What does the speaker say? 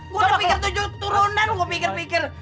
gue udah pikir turunan gue pikir pikir